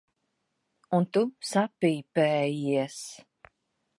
Un tu sapīpējies.